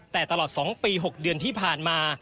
แต่ตลอด๒ปี๖เดือนที่ผ่านมา